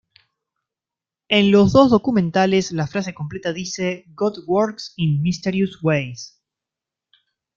En los dos documentales la frase completa dice: "God works in mysterious ways.